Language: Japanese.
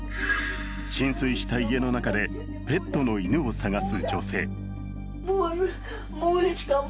浸水した家の中でペットの犬を探す女性。